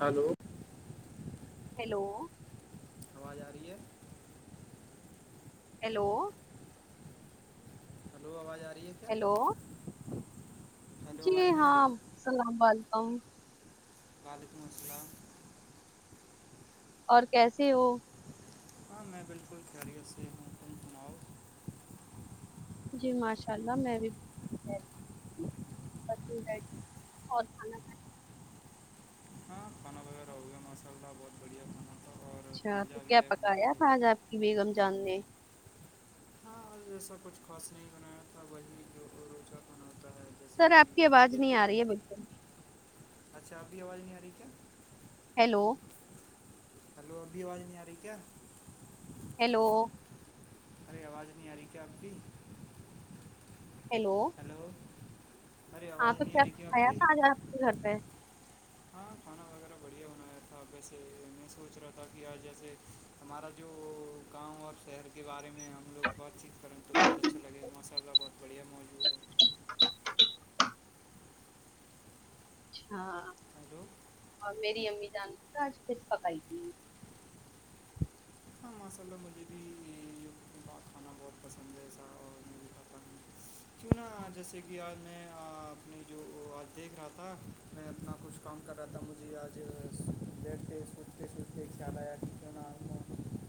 hello hello آواز آ رہی ہے ہیلو لو آواز آ رہی ہے کیا ہیلو ہلو جی آواز نہیں آ رہی ہاں السلام ولیکم [inaudible] اور کیسے ہو ہاں میں بالکل خیریت سے ہوں تم سناؤ جی ماشاء اللہ میں بھی بالکل اور [inaudible] مسلہ بہت بڑھیا کانا اچھا تو کیا پکایا تھا آج آپ کی بیگم چاند نے جیسا کچھ خاص نہیں بنایا تھا وہی جو روچہ بناتا ہے جیسے سر کہ آپ کی آواز مجھے نہیں تو آ رہی ہے بس بالکل اچھا اب بھی آواز نہیں آ رہی کیا ہیلو ہلو ابھی آواز نہیں آ رہی کیا ہیلو ارے آواز نہیں آ رہی کیا آپ کی ہیلو ہلو ارے ہاں آواز تو نہیں آ کیا رہی اب کھایا بھی تھا آج آپ کے گھر پہ ہاں کھانا وغیرہ بڑھیا بنایا تھا ویسے میں سوچ رہا تھا کہ آج جیسے ہمارا جو گاؤں اور شہر کے بارے میں ہم لوگ بہت چیز کریں تو بہت اچھا لگے گ ماشاء اللہ بہت بڑیا مو [inaudible] اچھاں ہیلو اور میری امی جانتی تھ آج پس پکائی تھی ہاں ماشاء اللہ مجھے بھی یووب کا کھانا بہت پسند ہے ایسا اور میں بھی کھاتا ہوں کیوں نہا جیسے کہ آج میں اپنی جو آج دیکھ رہا تھا میں اپنا کچھ کام کر رہا تھا مجھے آج بیٹھتے سوچتے سوچتے ایک خیال آیا کہ کیوں نام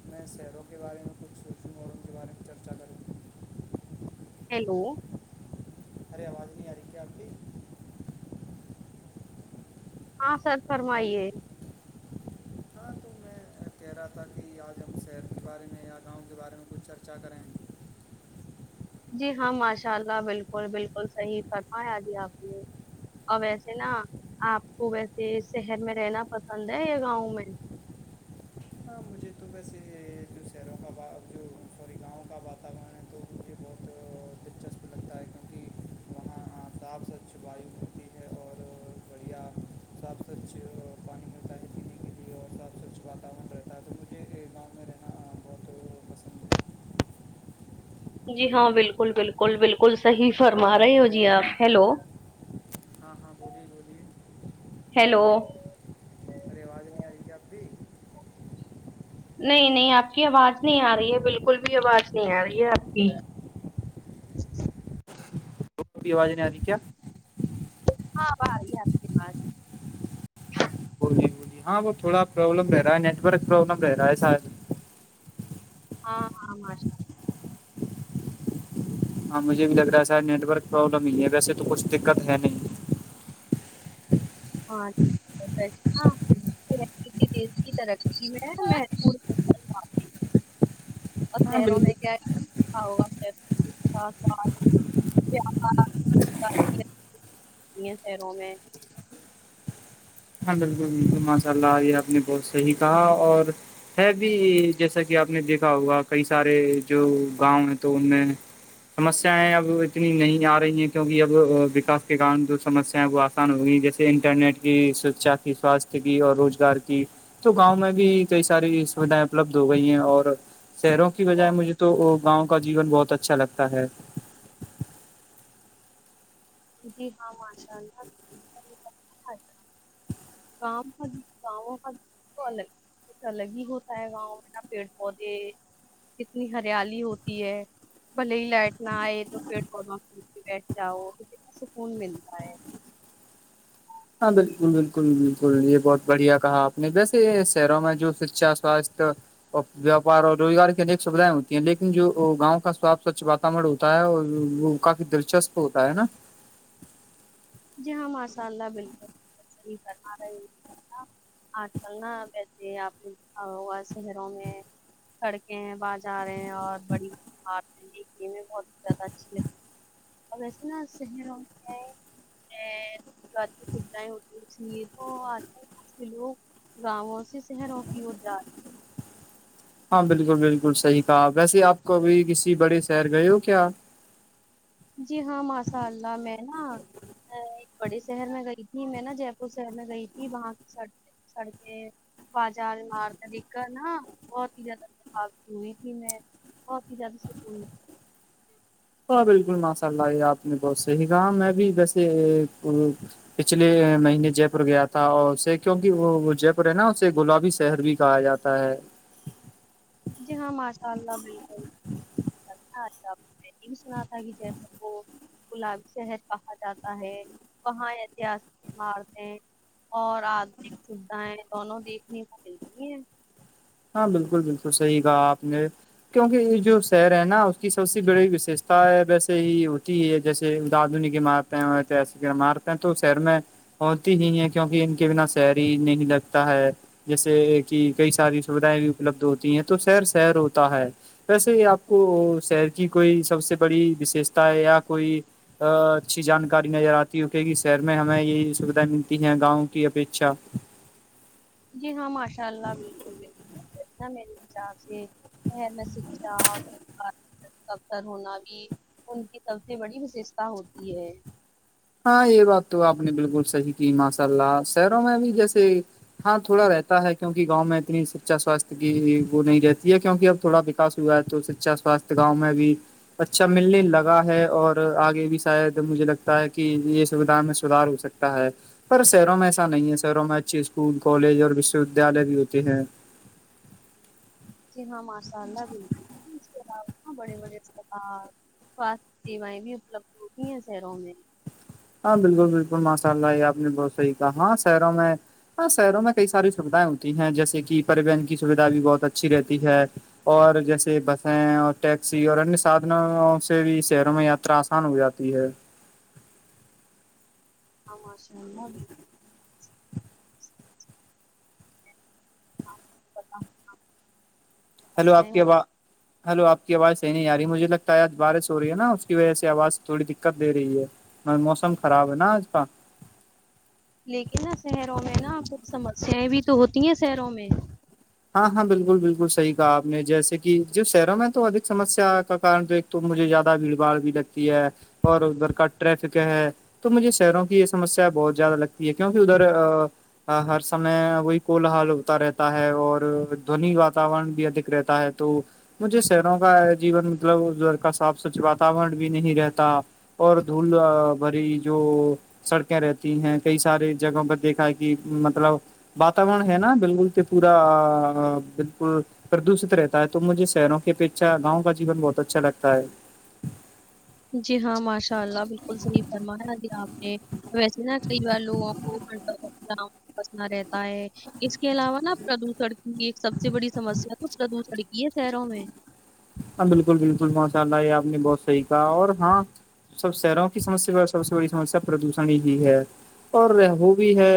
میں شہروں کے بارے میں کچھ سوچنے م اوروں کے بارے میں چرچا کروں ہیلو ارے آواز نہیں اری کیا آ کے ہاں سر ہاں فرمائیے کہ رہا تھا کہ آج ہم شہر کے بارے میں یا گاؤں کے بارے میں کچھ چرچا کریں جی ہاں ماشاء اللہ بالکل بالکل صحیح فرما آجی آپ نے اور ویسے نا آپ کو ویسے شہر میں رہنا پسند ہے یا گاؤں میں ہاں مجھے تو وسے ہی ہے جو شہروں کا ب جو سوری گاؤں کا واتاورن ہے تو مجھے بہت دلچسپ لگتا ہے کیونکہ وہاں صاف سوچھ وایو ملتی ہے اور بڑھیا صاف سوچھ پانی ملتا ہے پینے کے لیے اور صاف سوچھ واتاورن رہتا ہے تو مجھے گاؤں میں رہنا بہت پسند ہے جی ہاں بالکل بالکل بالکل صحیح فرما رہے ہو جی آپ ہیلو ہاں ہاں بولیے بولیے ہیلو رواز نہیں آ رہئی ہے نہیں نہیں آپ کی آواز نہیں آ رہی ہے بالکل بھی آواز نہیں آ رہی ہے آپ کی آواز نہیں آتی کیا ہاں ب ہے آپ کے پاس بولیے بولیے ہاں وہ تھوڑا پروابلم رہا ہے نیٹ ورک پروابلم رہا ہےسا ہ ہ آشا ہاں مجھے بھی لگ رہا ہے سارا نیٹ ورک پروابلم ہی ہے ویسے تو کچھ دقت ہے نہیں ہاںھ بیس ہاں ک دیش کی ترقی میں مہت [unintelligible] اور پہیروں بالکل میں کیا ہا یہ شروں میں ہاں بالکل بالکل ماشاء اللہ یہ آپ نے بہت صحیح کہا اور ہے بھی جیسا کہ آپ نے دیکھا ہوگا کئی سارے جو گاؤں ہے تو ان میں سمسیایں اب اتنی نہیں آ رہی ہے کیونکہ اب وکاس کے کارن جو سمسیا ہے وہ نقان ہوگی جیسے انٹرنیٹ کی شکچھا کی سواستھ کی اور روزگار کی تو گاؤں میں بھی کئی ساری سویدھائیں اپلبدھ ہو گئی ہیں اور شہروں کی بجائے مجھے تو گاؤں کا جیون بہت اچھا لگتا ہے جی ہاں م چاہتا گاؤں م گاؤ مات تو الگ ک الگ ہی ہوتا ہے گاؤں میںنا پیڑ پودے کتنی ہریالی ہوتی ہے بھلے ہی لائٹ نہ آئے تو پیڑ پودوں بیٹھ جاؤ ک سکون ملتا ہے ہاں بالکل بالکل بالکل یہ بہت بڑھیا کہا آپ نے ویسے یہ شہروں میں جو شچھا سواستھ ویاپار اور روزگار کی انیک سویدھائیں ہوتی ہیں لیکن جو گاؤں کا سپ سچھ بات کمر ہوتا ہے اور وہ کافی دلچسپ ہوتا ہے نا جی ہاں ماشاء اللہ بالکل کرما رہے ہیں آج کل نا ویسے آپ شہروں میں سڑکیں ہیں بازار ہیں اور بڑی بڑار دیکھنے میں بہت زیادہ اچھی لگتی اب اتنا شہروں ہے ری سیں ہوتی س تو آ لوگ گاؤوں سے شہروں کی ادرا ہاں بالکل بالکل صحیح کہا ویسے آپ کوبھی کسی بڑے شہر گئے ہو کیا جی ہاں ماشاء اللہ میں نا ایک بڑے شہر میں گئی تھی میں نا جے پور شہر میں گئی تھی وہاں کی سڑ سڑکیں بازار عمارت دکھ کر نا بہت ہی زیادہابتی ہوئی تھی میں اور پ جاد سے کوئی ہاں بالکل ماشاء اللہ یہ آپ نے بہت صحیح کہا میں بھی ویسے پچھلے مہینے جے پور گیا تھا اور اسے کیوںکہ وہ جے پور ہے نا اسے گلابی شہر بھی کہا جاتا [inaudible] پر جی ہاں ماشاء اللہ بالکل اچھا اچھا نم سنااتگ ج وہ گلاب شہر کہا جاتا ہے وہاں اتہاسک عمارتیں دونوں دیکھنے کو ملتی ہیں ہاں بالکل بالکل صحیح کہا آپ نے کیونکہ یہ جو شہر ہے نا اس کی سب سے بڑی وششتا ہے ویسے ہی ہوتی ہے جیسے آدنیک عمارت ہیںسکمارت ہیں تو شہر میں ہوتی ہی ہے کیونکہ ان کے بنا سری ہی نہیں لگتا ہے جیسے کی کئی ساری سوبھدائیں بھی اپلبدھ ہوتی ہیں تو شہر شہر ہوتا ہے ویسے ہی آپ کو شہر کی کوئی سب سے بڑی وشیشتا ہے یا کوئی اچھی جانکاری نظر آتی ہے کی کہ شہر میں ہمیں یہ سویدھائیں ملتی ہیں گاؤں کی اپیکچھا جی ہاں ماشاء اللہ بالکل بالکل انا میرے حسا سے شر میں سا اور افتر ہونا بھی ان کی سب سے بڑی وششتا ہوتی ہے ہاں یہ بات تو آپ نے بالکل صحی کی ماشاء اللہ شہروں میں بھی جیسے ہاں تھوڑا رہتا ہے کیونک گاؤں میں اتنی سچا سواستھ کی وہ نہیں رہتی ہے کیوںک اب تھوڑا ا ہوا تو شچا سواستھ گاؤں میں بھی اچھا ملنے لگا ہے اور آگے بھی شاید مجھے لگتا ہے کہ یہ سویدھا میں سوداھار ہو سکتا ہے پر شہروں میں ایسا نہیں ہے شہروں میں اچھیے اسکول کالج اور وشو ودیالیہ بھی ہوتے ہیں جی ہاں ماشاء اللہ بھی [unintelligible] استاد بڑے بڑے استاد سواستھ سیوائیں بھی اپلبدھ ہوتی ہیں شہروں میں ہاں بالکل بالکل ماشاء اللہ یہ آپ نے بہت صحیح کہا ہاں شہروں میں ہاں شہروں میں کئی ساری سویدھائیں ہوتی ہیں جیسے کہ پرریوہن کی سویدھا بھی بہت اچھی رہتی ہے اور جیسے بسیں اور ٹیکسی اور انیہ سادھنوں سے بھی شہروں میں یاترا آان ہو جاتی ہے ہاں ماشاء اللہ بھی [inaudible] ہیلو آپ سمسیایں کی ہوتی ہلو آپ کی آواز صحیح نہیں آ رہی مجھے لگتا ہے آج بارش ہو رہی ہے نا اس کی وجہ سے آواز تھوڑی دیقت دے رہی ہے موسم خراب ہے نا آج کا لیکن نا شہروں میں نا کچھ سمسیایں بھی تو ہوتی ہیں شہروں میں ہاں ہاں بالکل بالکل صحیح کہا آپ نے جیسے کہ جو شہروں میں تو ادک سمسیا کا کاران دیکھنے [inaudible] تو مجھے زیادہ بھیڑ بھاڑ بھی لگتی ہے اور ادھر کا ٹریفک ہے تو مجھے شہروں کی یہ سمسیا بہت زیادہ لگتی ہے کیونکہ ادھر [inaudible] ہا ہر سمے وہی کول حال ہوتا رہتا ہے اور دونی واتاورن بھی ادھک رہتا ہے تو مجھے شہروں کا جیون مطلب اس بھر کا صاف سچھ واتورن بھی نہیں رہتا اور دھول بھری جو سڑکیں رہتی ہیں کئی سارے جگہوں پہ دیکھا ہے کہ مطلب واتورن ہے نا بالکل تو پورا بالکل پردوشت رہتا ہے تو مجھے شہروں کی اپیچھا گاؤں کا جیون بہت اچھا لگتا ہے جی ہاں ماشاء اللہ بالکل صحیح فرمایا جی آپ نے ویسے نا کئی بار لوگوں کو [inaudible] بسنا رہتا ہے اس کے علاوہ نا پردوشن کی ایک سب سے بڑی سمسیا تو پردوشن کی ہے شہروں میں ہاں بالکل بالکل ماشاء اللہ یہ آپ نے بہت صحیح کہا اور ہاں سب شہروں کی سمسیا سب سے بڑی سمسیا پردوشن ہی ہی ہے اور وہ بھی ہے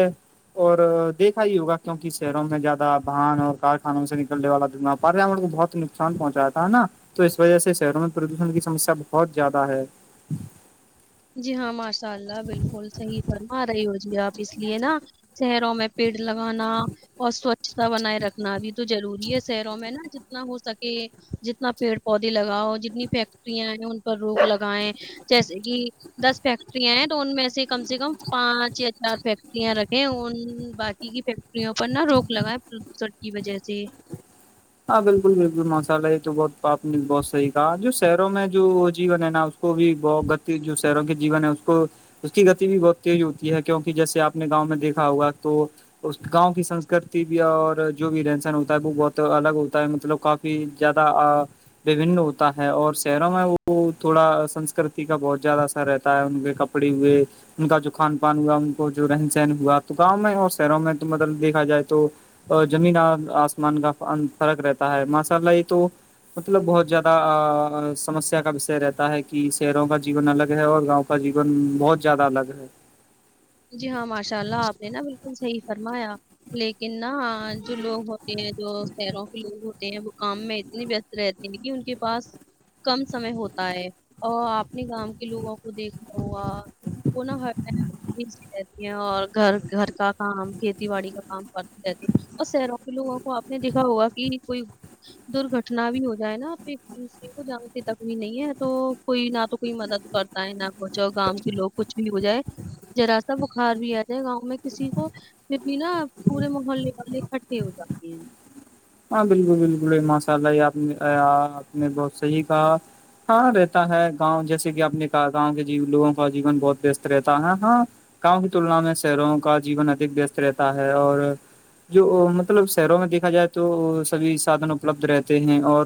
اور دیکھا ہی ہوگا کیوںک شہروں میں زیادہ باہن اور کارخانوں سے نکلنے والا د پریاورن کو بہت نقصان پہنچا تھا ہے نا تو اس وجہ سے شہروں میں پردوشن کی سسیا بہت زیادہ ہے جی ہاں ماشاء اللہ بالکل صحیح فرما رہی ہو جی آپ اس لیے نا شہروں میں پیڑ لگانا اور سوچھتا بنائے رکھنا بھی تو ضروری ہے شہروں میں نا جتنا ہو سکے جتنا پیڑ پودے لگاؤ جتنی فیکٹریاں ہیں ان پر روک لگائےیں جیسے کہ دس فیکٹریاں ہیں تو ان میں سے کم سے کم پانچ یا چار فیکٹریاں رکھیں ان باقی کی فٹ ڑوں پر نا روک لگا ہے پردوشر کی وجہ سے ہاں بالکل بالکل ماسالا یہ تو بہت آپ نے بہت صح کہا جو شہروں میں جو جیون ہے نا کو بھی بہ گتی جو سروگیہ جیون ہے اس کو اس کی گتی بھی بہت تیز ہوتی ہے کیونکہ جیسے آپ نے گاؤں میں دیکا ہوگا تو اس گاؤں کی سنسکرتی بھی اور جو بھی رہنسن ہوتا ہے وہ بہت تو الگ ہوتا ہے مطلب کافی زیادہ وبن ہوتا ہے اور شہروں میں وہ تھوڑا سنسکرتی کا بہت زیادہ اثر رہتا ہے ان کے ک پڑی ہوئے ان کا جو کھان پان ہوا ان کو جو رہن سہن ہوا تو گاؤں میں اور شہروں میں تو مطلب دیکھا جائے تو اور زمین آسمان کا فرق رہتا ہے ماشاء اللہ یہ تو مطلب بہت زیادہ سمسیا کا وشے رہتا ہے کہ شہروں کا جیون الگ ہے اور گاؤں کا جیون بہت زیادہ الگ ہے جی ہاں ماشاء اللہ آپ نے نا بالکل صحیح فرمایا لیکن نا جو لوگ ہوتے ہیں جو شہروں کے لوگ ہوتے ہیں وہ کام میں اتنی رہتے ہیں کہ ان کے پاس کم سمے ہوتا ہے اور آپ اپنے گاں کے لوگوں کو دیکھنا ہوا وہ نہ ایزی رہتی ہے اور گھر گھر کا کام کھیتی باڑی کا کام کرتی رہتی ہے اور شہروں کے لوگوں کو آپ نے دیکھا ہوگا کہ کوئی درگھٹنا بھی ہو جائے نا پھر کسی کو جانتی تکمی نہیں ہے تو کوئی نہ تو کوئی مدد کرتا ہے نہ کچھ اور گاؤ کے لوگ کچھ بھی ہو جائے جذرا سا بخار بھی آتے ہے گاؤں میں کسی کو پھر بھی نا پورے محلے مے اکٹھے ہو جاتے ہیں ہاں بالکل بالکل ماشاء اللہ یہ آپ نے آپ نے بہت صحیح کہا ہاں رہتا ہے گاؤں جیسے کہ آپ نے کہا گاؤں کے ج لووں کا جیون بہت وست رہتا ہے ہاں گاؤں کی تلنا میں شہروں کا جیون ادھ وست رہتا ہے اور جو مطلب شہروں میں دیکھا جائے تو سبھی سادھن اپلبدھ رہتے ہیں اور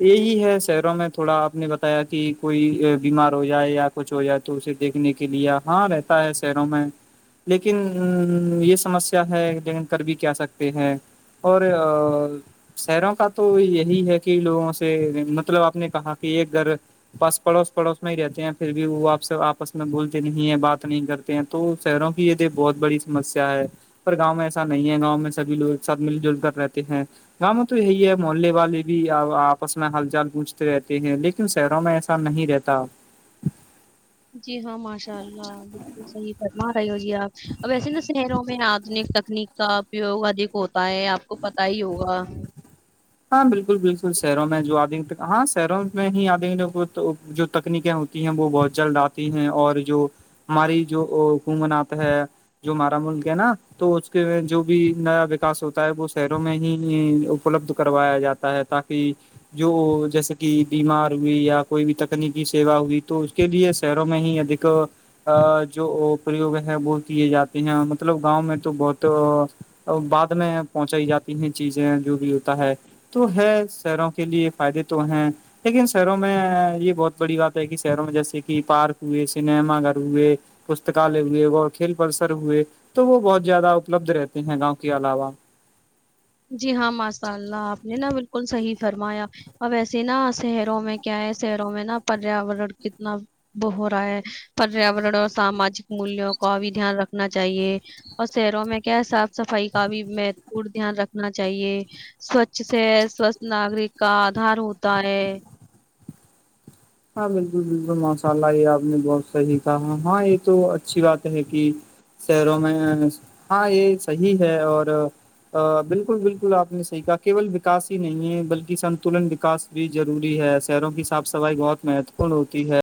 یہی ہے شہروں میں تھوڑا آپ نے بتایا کہ کوئی بیمار ہو جائے یا کچھ ہو جائے تو اسے دیکھنے کے لے ہاں رہتا ہے شہروں میں لیکن یہ سمسیا ہے لن کر بھی کیا سکتے ہیں اور اور شہروں کا تو یہی ہے کہ لوگوں سے مطلب آپ نے کہا کہ ایک گھر بس پڑوس پڑوس میں ہی رہتے ہیں پھر بھی وہ آپ سے آپس میں بولتے نہیں ہے بات نہیں کرتے تو شہروں کی یہ بہت بڑی سمسیا ہے پر گاؤں میں ایسا نہیں ہے گاؤں میں سب لوگ ایک ساتھ مل جل کر رہتے ہیں گاؤ تو یہی ہے محلے والے بھی آپس میں ہل جال پونجتے رہتے ہیں لیکن شہروں میں ایسا نہیں رہتا جی ہاں ماشاء اللہ بالکل صحیح فم رہ اب ایسے نا شہروں میں آدنک تکنیک کا یوگ ادھک ہوتا ہے آپ کو پتا ہی ہوگا ہاں بالکل بالکل شہروں میں جو آدک ہاں شہروں میں ہی آد تکنیکیں ہوتی ہیں وہ بہت جلد آتی ہیں اور جو ہماری جو حکمنات ہے جو ہمارا ملک ہے نا تو اس کے جو بھی نیا وکاس ہوتا ہے وہ شہروں میں ہی اپلبدھ کروایا جاتا ہے تاکہ جو جیسے کہ بیمار ہوئی یا کوئی بھی تکنیکی سیوا ہوئی تو کے لیے شہروں میں ہی اک [unintelligible] ا جو پرریوگ ہے وہ کیے جاتے ہیں مطلب گاؤں میں تو بہت [unintelligible] بعد میں پہنچائی جاتی ہیں چیزیں جو بھی ہے تو ہے شہروں کے لیے فائدے تو ہیں لیکن شہروں میں یہ بہت بڑی بات ہے کہ شہروں میں جیسے کہ پارک ہوئے سنیما گھر ہوئے پستکالے ہوئے کھیل پرسر ہوئے تو وہ بہت زیادہ اپلبد رہتے ہیں گاؤں کے علاوہ جی ہاں ماشاء اللہ آپ نے نا بالکل صحیح فرمایا اب وسے نا شہروں میں کیا ہے شہروں میں نا پریاورن کتنا وہ ہو رہا ہے پریاورن اور ساماجک مولوں کا بھی دھیان رکھنا چاہیے اور شہروں میں کیا ہے صاف صفائی کا بھی مہتوپور دھیان رکھ ہونا چاہیے سوچھ سے سوچھ ناگرک کا آدھار ہوتا ہے ہاں بالکل بالکل ماشاءلہ یہ آپ نے بہت صحیح کہا ہاں یہ تو اچھی بات ہے کہ شہروں میں ہاں یہ صحی ہے اور بالکل بالکل آپ نے صحیح کہا کیول وکاس ہی نہیں ہے بلکہ سنتولن وکاس [unintelligible] بھی روری ہے شہروں کی صاف صفائی بہت مہتوپورن ہوتی ہے